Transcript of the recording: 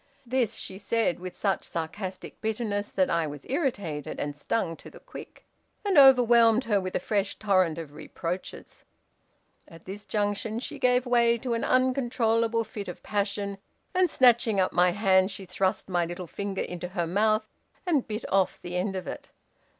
"This she said with such sarcastic bitterness that I was irritated and stung to the quick, and overwhelmed her with a fresh torrent of reproaches. At this juncture she gave way to an uncontrollable fit of passion, and snatching up my hand, she thrust my little finger into her mouth and bit off the end of it.